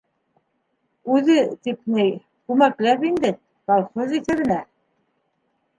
— Үҙе тип ни, күмәкләп инде, колхоз иҫәбенә...